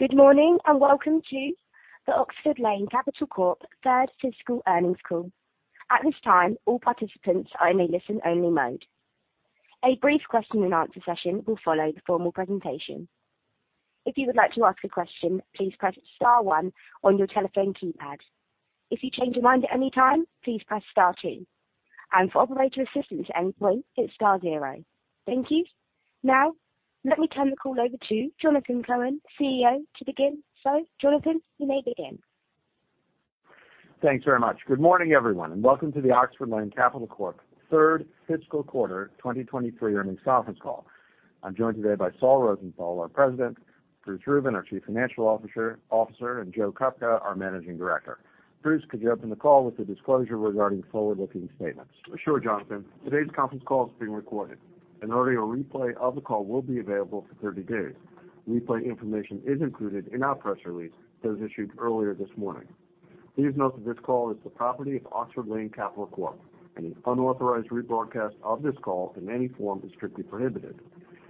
Good morning, and welcome to the Oxford Lane Capital Corp third fiscal earnings call. At this time, all participants are in a listen-only mode. A brief question-and-answer session will follow the formal presentation. If you would like to ask a question, please press star one on your telephone keypad. If you change your mind at any time, please press star two. For operator assistance at any point, hit star zero. Thank you. Now, let me turn the call over to Jonathan Cohen, CEO, to begin. Jonathan, you may begin. Thanks very much. Good morning, everyone, and welcome to the Oxford Lane Capital Corp third fiscal quarter 2023 earnings conference call. I'm joined today by Saul Rosenthal, our President, Bruce Rubin, our Chief Financial Officer, and Joe Kupka, our Managing Director. Bruce, could you open the call with the disclosure regarding forward-looking statements? Sure, Jonathan. Today's conference call is being recorded. An audio replay of the call will be available for 30 days. Replay information is included in our press release that was issued earlier this morning. Please note that this call is the property of Oxford Lane Capital Corp. Any unauthorized rebroadcast of this call in any form is strictly prohibited.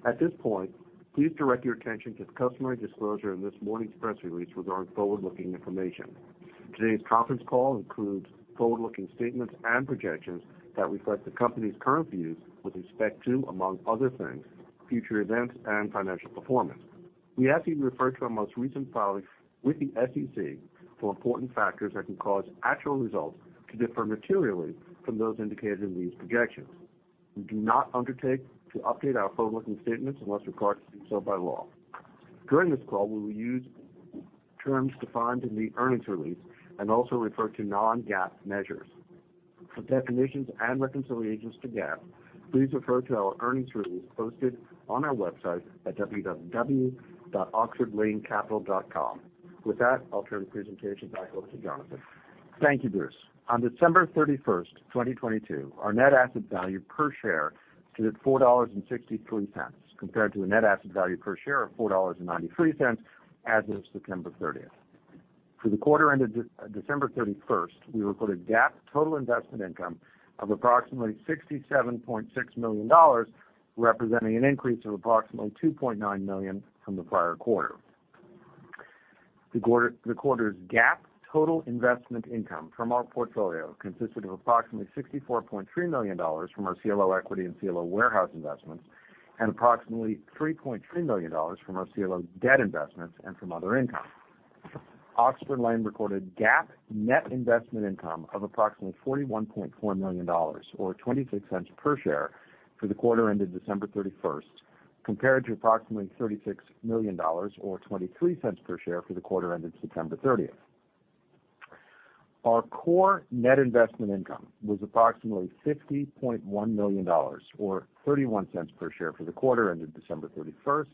At this point, please direct your attention to the customary disclosure in this morning's press release regarding forward-looking information. Today's conference call includes forward-looking statements and projections that reflect the company's current views with respect to, among other things, future events and financial performance. We ask that you refer to our most recent filings with the SEC for important factors that can cause actual results to differ materially from those indicated in these projections. We do not undertake to update our forward-looking statements unless required to do so by law. During this call, we will use terms defined in the earnings release and also refer to non-GAAP measures. For definitions and reconciliations to GAAP, please refer to our earnings release posted on our website at www.oxfordlanecapital.com. I'll turn the presentation back over to Jonathan. Thank you, Bruce. On December 31, 2022, our net asset value per share stood at $4.63, compared to a net asset value per share of $4.93 as of September 30. For the quarter ended December 31, we recorded GAAP total investment income of approximately $67.6 million, representing an increase of approximately $2.9 million from the prior quarter. The quarter's GAAP total investment income from our portfolio consisted of approximately $64.3 million from our CLO equity and CLO warehouse investments and approximately $3.3 million from our CLO debt investments and from other income. Oxford Lane recorded GAAP net investment income of approximately $41.4 million or $0.26 per share for the quarter ended December 31, compared to approximately $36 million or $0.23 per share for the quarter ended September 30. Our core net investment income was approximately $50.1 million or $0.31 per share for the quarter ended December 31,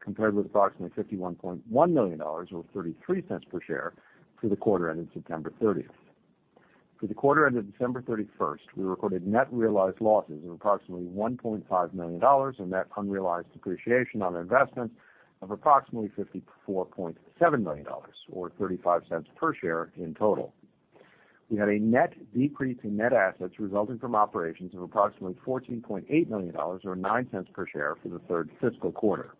compared with approximately $51.1 million or $0.33 per share for the quarter ended September 30. For the quarter ended December 31, we recorded net realized losses of approximately $1.5 million and net unrealized appreciation on investment of approximately $54.7 million or $0.35 per share in total. We had a net decrease in net assets resulting from operations of approximately $14.8 million or $0.09 per share for the third fiscal quarter.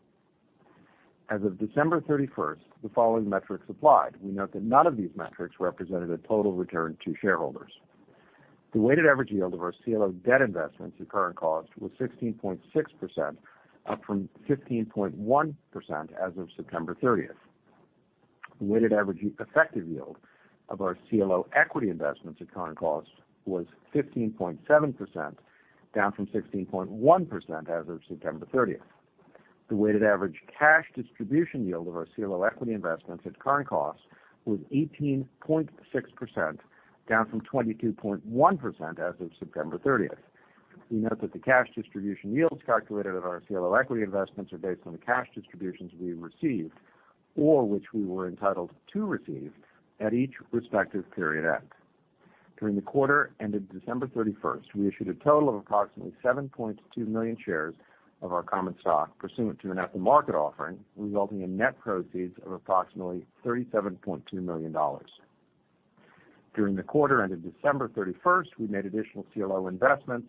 As of December 31st, the following metrics applied. We note that none of these metrics represented a total return to shareholders. The weighted average yield of our CLO debt investments at current cost was 16.6%, up from 15.1% as of September 30th. The weighted average effective yield of our CLO equity investments at current cost was 15.7%, down from 16.1% as of September 30th. The weighted average cash distribution yield of our CLO equity investments at current cost was 18.6%, down from 22.1% as of September 30th. We note that the cash distribution yields calculated on our CLO equity investments are based on the cash distributions we received or which we were entitled to receive at each respective period end. During the quarter ended December 31st, we issued a total of approximately 7.2 million shares of our common stock pursuant to an at-the-market offering, resulting in net proceeds of approximately $37.2 million. During the quarter ended December 31st, we made additional CLO investments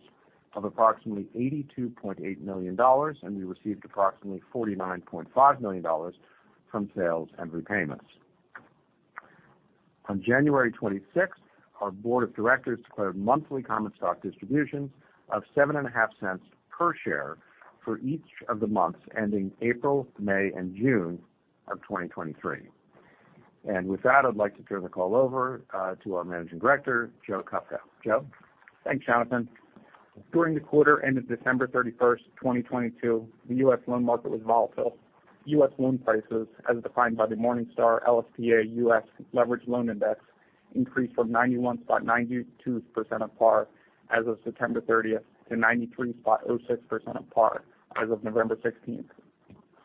of approximately $82.8 million, and we received approximately $49.5 million from sales and repayments. On January 26th, our board of directors declared monthly common stock distributions of seven and a half cents per share for each of the months ending April, May, and June of 2023. With that, I'd like to turn the call over to our Managing Director, Joe Kupka. Joe. Thanks, Jonathan. During the quarter ended December 31st, 2022, the U.S. loan market was volatile. U.S. loan prices, as defined by the Morningstar LSTA US Leveraged Loan Index, increased from 91.92% of par as of September 30th to 93.06% of par as of November 16th,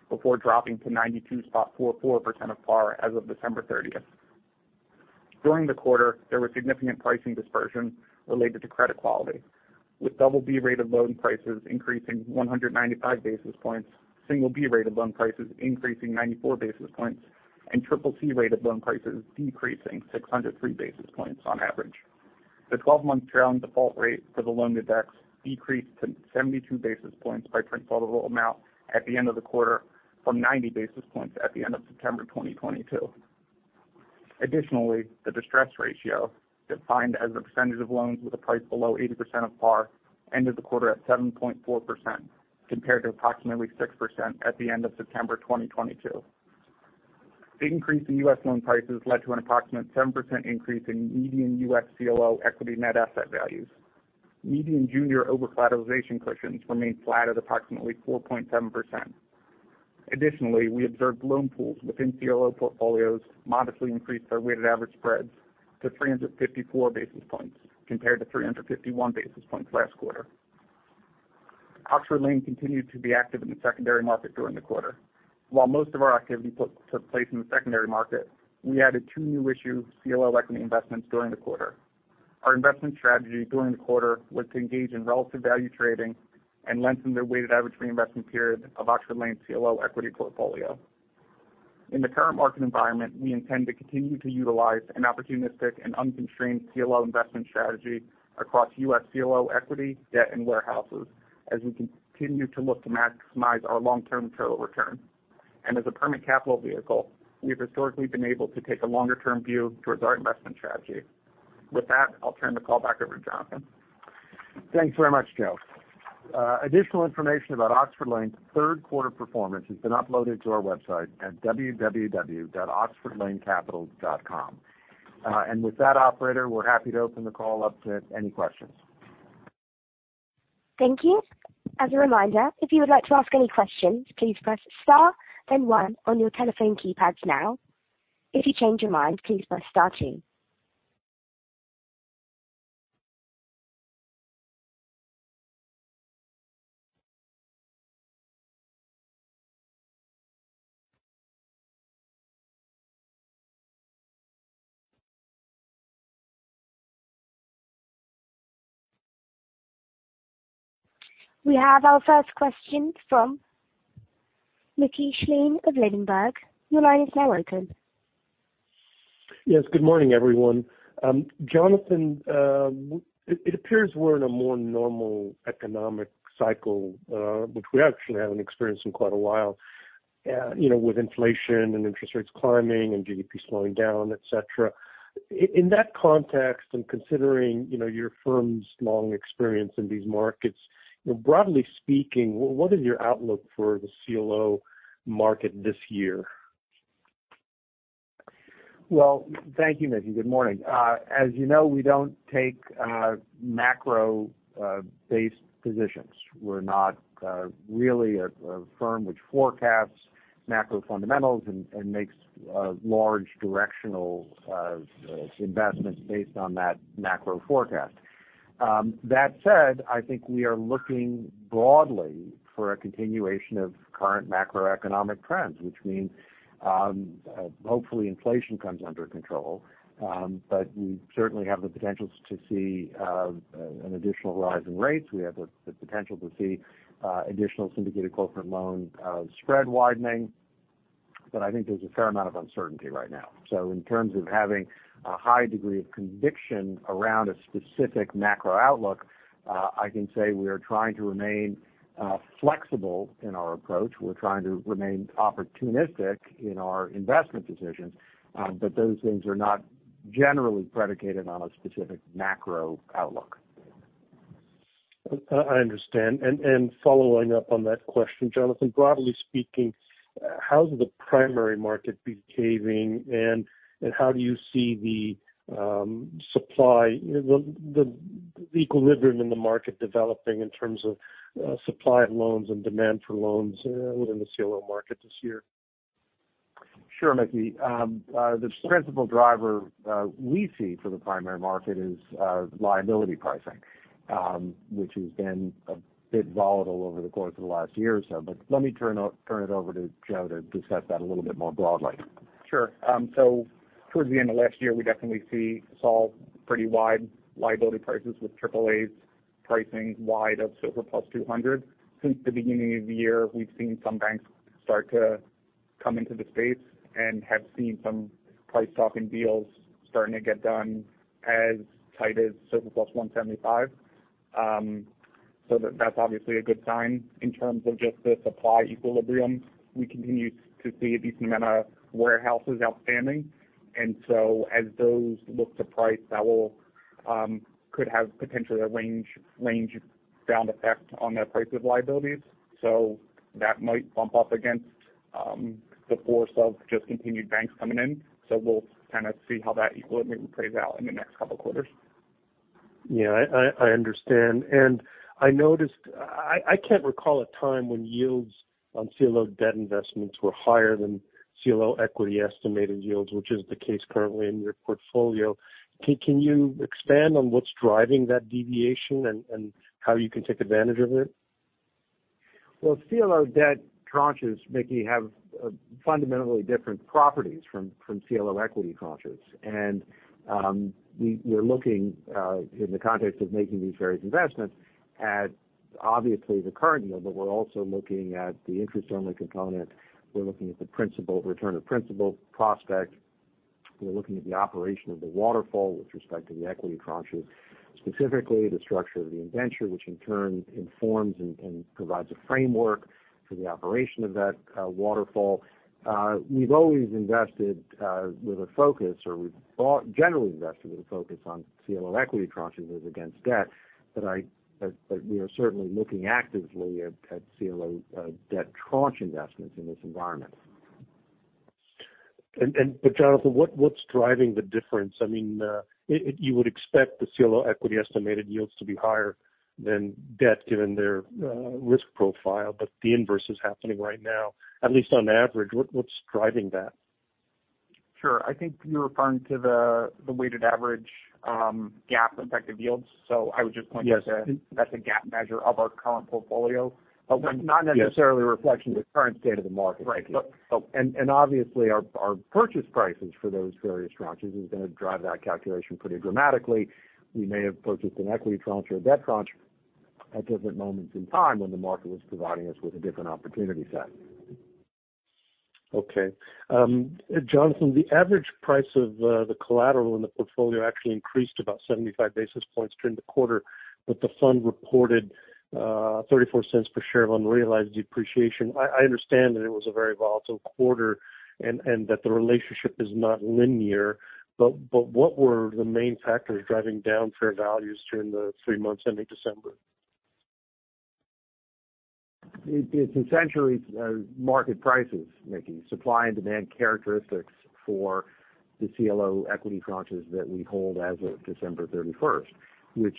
before dropping to 92.44% of par as of December 30th. During the quarter, there was significant pricing dispersion related to credit quality, with BB-rated loan prices increasing 195 basis points, B-rated loan prices increasing 94 basis points, and CCC-rated loan prices decreasing 603 basis points on average. The 12-month trailing default rate for the loan index decreased to 72 basis points by principal amount at the end of the quarter, from 90 basis points at the end of September 2022. Additionally, the distress ratio, defined as a percentage of loans with a price below 80% of par, ended the quarter at 7.4% compared to approximately 6% at the end of September 2022. The increase in U.S. loan prices led to an approximate 7% increase in median U.S. CLO equity net asset values. Median junior overcollateralization cushions remained flat at approximately 4.7%. Additionally, we observed loan pools within CLO portfolios modestly increased our weighted average spreads to 354 basis points compared to 351 basis points last quarter. Oxford Lane continued to be active in the secondary market during the quarter. While most of our activity took place in the secondary market, we added 2 new issue CLO equity investments during the quarter. Our investment strategy during the quarter was to engage in relative value trading and lengthen the weighted average reinvestment period of Oxford Lane CLO equity portfolio. In the current market environment, we intend to continue to utilize an opportunistic and unconstrained CLO investment strategy across US CLO equity, debt and warehouses as we continue to look to maximize our long-term total return. As a permanent capital vehicle, we have historically been able to take a longer term view towards our investment strategy. With that, I'll turn the call back over to Jonathan. Thanks very much, Joe. Additional information about Oxford Lane's Q3 performance has been uploaded to our website at www.oxfordlanecapital.com. With that operator, we're happy to open the call up to any questions. Thank you. As a reminder, if you would like to ask any questions, please press star then one on your telephone keypads now. If you change your mind, please press star two. We have our first question from Mickey Schleien of Ladenburg Thalmann. Your line is now open. Yes, good morning, everyone. Jonathan, it appears we're in a more normal economic cycle, which we actually haven't experienced in quite a while, you know, with inflation and interest rates climbing and GDP slowing down, et cetera. In that context and considering, you know, your firm's long experience in these markets, you know, broadly speaking, what is your outlook for the CLO market this year? Well, thank you, Mickey. Good morning. As you know, we don't take macro based positions. We're not really a firm which forecasts macro fundamentals and makes large directional investments based on that macro forecast. That said, I think we are looking broadly for a continuation of current macroeconomic trends, which means hopefully inflation comes under control. We certainly have the potential to see an additional rise in rates. We have the potential to see additional syndicated corporate loans spread widening. I think there's a fair amount of uncertainty right now. In terms of having a high degree of conviction around a specific macro outlook, I can say we are trying to remain flexible in our approach. We're trying to remain opportunistic in our investment decisions. Those things are not generally predicated on a specific macro outlook. I understand. Following up on that question, Jonathan, broadly speaking, how is the primary market behaving and how do you see the supply, the equilibrium in the market developing in terms of supply of loans and demand for loans within the CLO market this year? Sure, Mickey. The principal driver, we see for the primary market is liability pricing, which has been a bit volatile over the course of the last year or so. Let me turn it over to Joe to discuss that a little bit more broadly. Sure. Towards the end of last year, we definitely saw pretty wide liability prices with AAA's pricing wide of SOFR plus 200. Since the beginning of the year, we've seen some banks start to come into the space and have seen some price talking deals starting to get done as tight as SOFR plus 175. That's obviously a good sign in terms of just the supply equilibrium. We continue to see a decent amount of warehouses outstanding, as those look to price, that will could have potentially a range bound effect on the price of liabilities. That might bump up against the force of just continued banks coming in. We'll kind of see how that equilibrium plays out in the next couple quarters. Yeah, I understand. I noticed I can't recall a time when yields on CLO debt investments were higher than CLO equity estimated yields, which is the case currently in your portfolio. Can you expand on what's driving that deviation and how you can take advantage of it? Well, CLO debt tranches, Mickey, have fundamentally different properties from CLO equity tranches. We're looking in the context of making these various investments at obviously the current yield, but we're also looking at the interest only component. We're looking at the principal return of principal prospect. We're looking at the operation of the waterfall with respect to the equity tranches, specifically the structure of the indenture, which in turn informs and provides a framework for the operation of that waterfall. We've always invested with a focus, or generally invested with a focus on CLO equity tranches as against debt. We are certainly looking actively at CLO debt tranche investments in this environment. Jonathan, what's driving the difference? I mean, you would expect the CLO equity estimated yields to be higher than debt given their risk profile. The inverse is happening right now, at least on average. What's driving that? Sure. I think you're referring to the weighted average, GAAP effective yields. I would just point out. Yes... that's a GAAP measure of our current portfolio. Yes. Not necessarily a reflection of the current state of the market. Right. Obviously, our purchase prices for those various tranches is gonna drive that calculation pretty dramatically. We may have purchased an equity tranche or a debt tranche at different moments in time when the market was providing us with a different opportunity set. Okay. Jonathan, the average price of the collateral in the portfolio actually increased about 75 basis points during the quarter, but the fund reported $0.34 per share of unrealized depreciation. I understand that it was a very volatile quarter and that the relationship is not linear, but what were the main factors driving down fair values during the three months ending December? It's essentially, market prices, Mickey. Supply and demand characteristics for the CLO equity tranches that we hold as of December 31st, which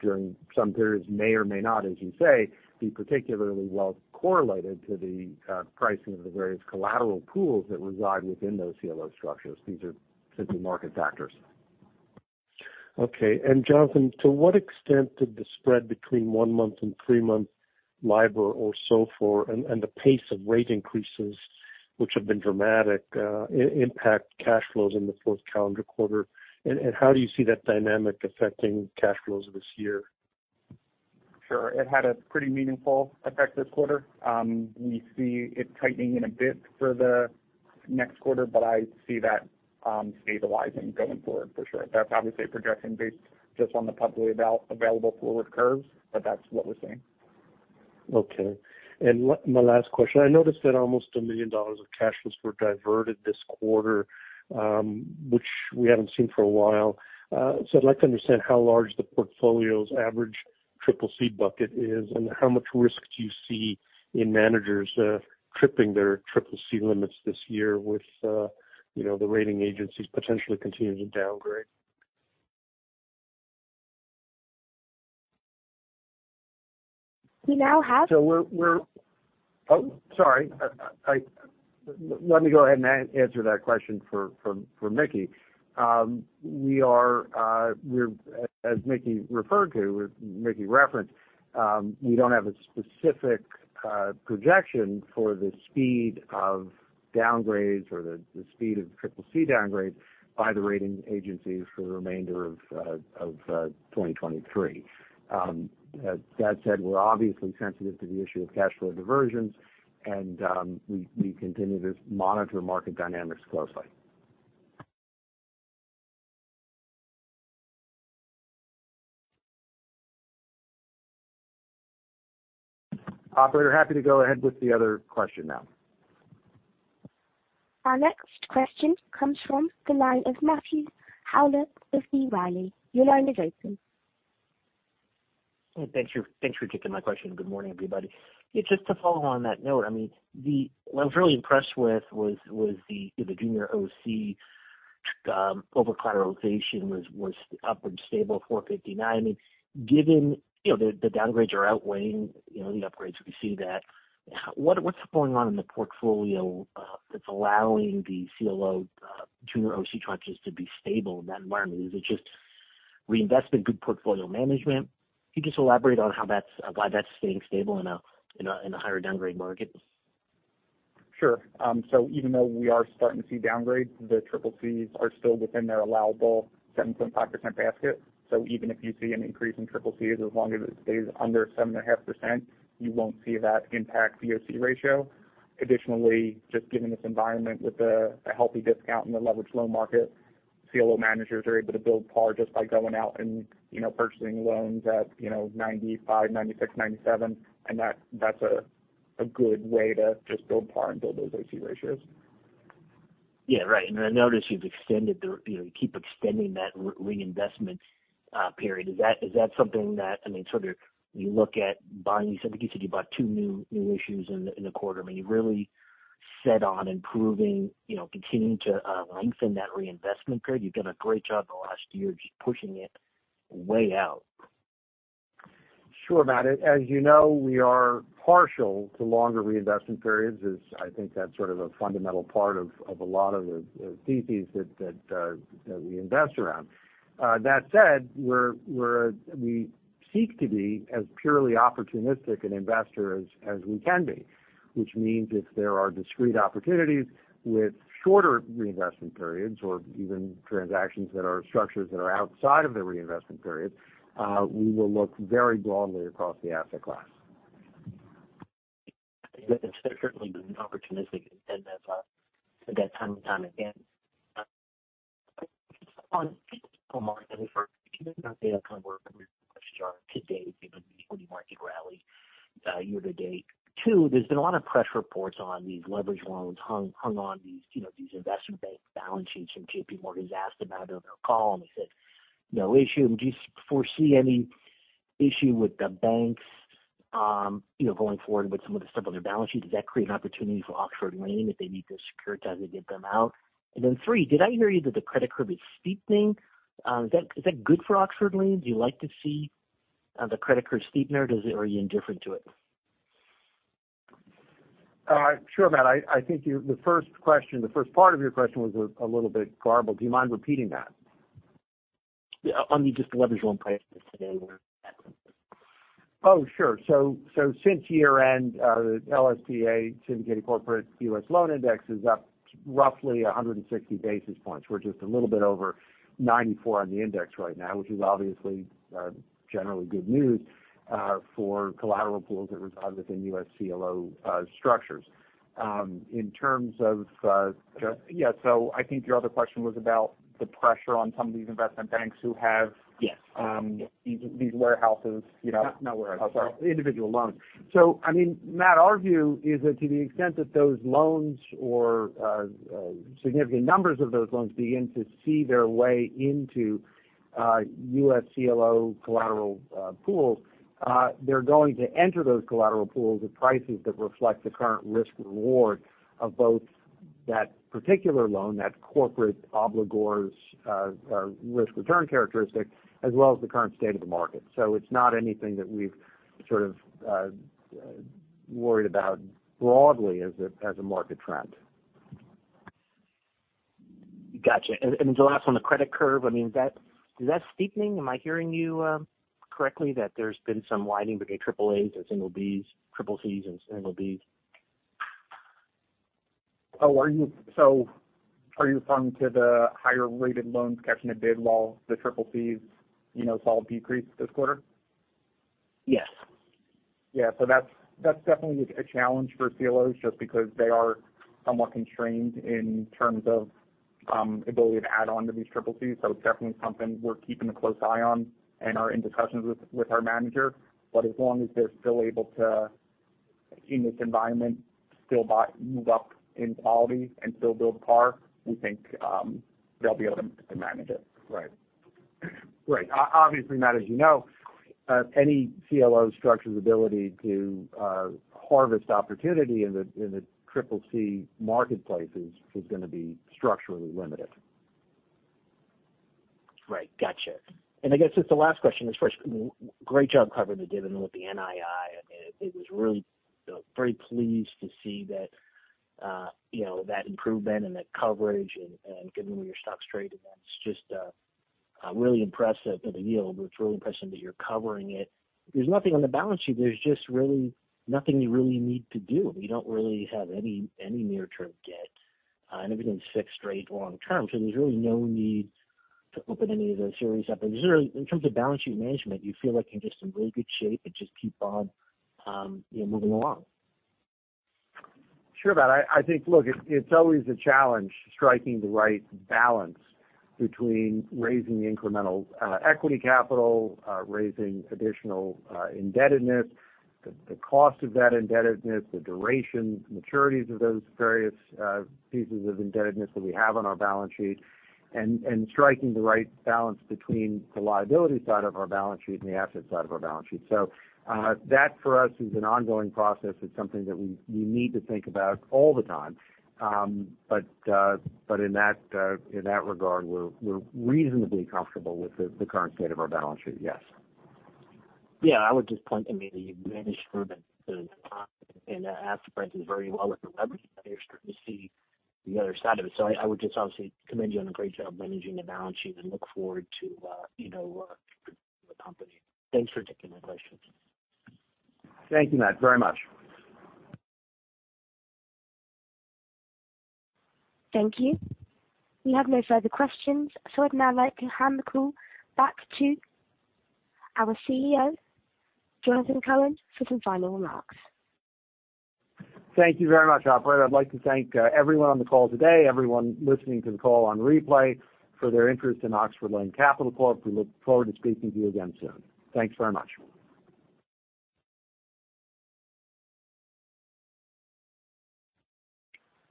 during some periods may or may not, as you say, be particularly well correlated to the pricing of the various collateral pools that reside within those CLO structures. These are simply market factors. Okay. Jonathan, to what extent did the spread between one-month and three-month LIBOR or SOFR and the pace of rate increases, which have been dramatic, impact cash flows in the fourth calendar quarter? How do you see that dynamic affecting cash flows this year? Sure. It had a pretty meaningful effect this quarter. We see it tightening in a bit for the next quarter, but I see that stabilizing going forward for sure. That's obviously a projection based just on the publicly available forward curves, but that's what we're seeing. Okay. My last question. I noticed that almost $1 million of cash flows were diverted this quarter, which we haven't seen for a while. I'd like to understand how large the portfolio's average CCC bucket is, and how much risk do you see in managers tripping their CCC limits this year with, you know, the rating agencies potentially continuing to downgrade. We now. We're, oh sorry. Let me go ahead and answer that question for Mickey. We're as Mickey referred to, as Mickey referenced, we don't have a specific projection for the speed of downgrades or the speed of CCC downgrades by the rating agencies for the remainder of 2023. As that said, we're obviously sensitive to the issue of cash flow diversions, and we continue to monitor market dynamics closely. Operator, happy to go ahead with the other question now. Our next question comes from the line of Matthew Howlett of B. Riley. Your line is open. Thanks for taking my question. Good morning, everybody. Just to follow on that note, I mean, what I was really impressed with was the junior OC overcollateralization was up and stable at 4.59%. I mean, given, you know, the downgrades are outweighing, you know, the upgrades, we see that. What's going on in the portfolio that's allowing the CLO junior OC tranches to be stable in that environment? Is it just reinvestment, good portfolio management? Can you just elaborate on how that's why that's staying stable in a higher downgrade market? Sure. Even though we are starting to see downgrades, the CCCs are still within their allowable 7.5% basket. Even if you see an increase in CCCs, as long as it stays under 7.5%, you won't see that impact the OC ratio. Additionally, just given this environment with a healthy discount in the leveraged loan market, CLO managers are able to build par just by going out and, you know, purchasing loans at, you know, 95, 96, 97. That's a good way to just build par and build those OC ratios. Yeah. Right. I notice you've extended or you keep extending that reinvestment period. Is that something that, I mean, sort of you look at buying... You said, I think you said you bought 2 new issues in the quarter. I mean, are you really set on improving, you know, continuing to lengthen that reinvestment period? You've done a great job in the last year just pushing it way out. Sure, Matt. As you know, we are partial to longer reinvestment periods as I think that's sort of a fundamental part of a lot of the theses that we invest around. That said, we seek to be as purely opportunistic an investor as we can be. Which means if there are discrete opportunities with shorter reinvestment periods or even transactions that are structures that are outside of the reinvestment period, we will look very broadly across the asset class. You have been certainly been opportunistic and as, at that time and time again. On market, can you say that kind of where question are today between the equity market rally, year-to-date? Two, there's been a lot of press reports on these leverage loans hung on these, you know, these investment bank balance sheets. JPMorgan's asked about it on their call, and they said, no issue. Do you foresee any issue with the banks, you know, going forward with some of the stuff on their balance sheet? Does that create an opportunity for Oxford Lane if they need to securitize to get them out? Three, did I hear you that the credit curve is steepening? Is that good for Oxford Lane? Do you like to see the credit curve steepener? Are you indifferent to it? Sure, Matt. I think the first question, the first part of your question was a little bit garbled. Do you mind repeating that? Yeah. On the just the leveraged loan prices today where. Oh, sure. Since year-end, LSTA syndicated corporate US Leveraged Loan Index is up roughly 160 basis points. We're just a little bit over 94 on the index right now, which is obviously generally good news for collateral pools that reside within US CLO structures. Just- Yeah. I think your other question was about the pressure on some of these investment banks who have. Yes. These, these warehouses, you know. Not warehouses. Sorry. Individual loans. I mean, Matt, our view is that to the extent that those loans or significant numbers of those loans begin to see their way into US CLO collateral pools, they're going to enter those collateral pools at prices that reflect the current risk reward of both that particular loan, that corporate obligor's risk return characteristic, as well as the current state of the market. It's not anything that we've sort of worried about broadly as a market trend. Gotcha. The last one, the credit curve, I mean, is that steepening? Am I hearing you correctly that there's been some widening between AAA's and single B's, CCC's and single B's? Are you referring to the higher rated loans catching a bid while the CCCs, you know, saw a decrease this quarter? Yes. Yeah. That's, that's definitely a challenge for CLOs just because they are somewhat constrained in terms of ability to add on to these triple CCC's. It's definitely something we're keeping a close eye on and are in discussions with our manager. As long as they're still able to, in this environment, still move up in quality and still build par, we think they'll be able to manage it. Right. Right. Obviously, Matt, as you know, any CLO structure's ability to harvest opportunity in the CCC marketplace is gonna be structurally limited. Right. Gotcha. I guess just the last question is first, great job covering the dividend with the NII. I mean, it was really, you know, very pleased to see that, you know, that improvement and that coverage and getting all your stocks straight. That's just really impressive for the yield. It's really impressive that you're covering it. There's nothing on the balance sheet. There's just really nothing you really need to do. You don't really have any near-term debt. Everything's fixed rate long-term. There's really no need to open any of those areas up. Is there, in terms of balance sheet management, do you feel like you're just in really good shape and just keep on, you know, moving along? Sure, Matt. I think look, it's always a challenge striking the right balance between raising incremental equity capital, raising additional indebtedness, the cost of that indebtedness, the duration maturities of those various pieces of indebtedness that we have on our balance sheet. Striking the right balance between the liability side of our balance sheet and the asset side of our balance sheet. That for us is an ongoing process. It's something that we need to think about all the time. In that regard, we're reasonably comfortable with the current state of our balance sheet. Yes. Yeah. I would just point, I mean, you've managed through the top and after prices very well with the leverage. Now you're starting to see the other side of it. I would just obviously commend you on a great job managing the balance sheet and look forward to, you know, the company. Thanks for taking my questions. Thank you, Matt, very much. Thank you. We have no further questions. I'd now like to hand the call back to our CEO, Jonathan Cohen, for some final remarks. Thank you very much, operator. I'd like to thank everyone on the call today, everyone listening to the call on replay for their interest in Oxford Lane Capital Corp. We look forward to speaking to you again soon. Thanks very much.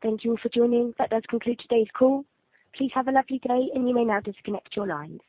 Thank you all for joining. That does conclude today's call. Please have a lovely day, and you may now disconnect your lines.